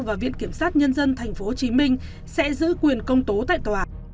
và viện kiểm sát nhân dân tp hcm sẽ giữ quyền công tố tại tòa